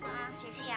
ah sisi ya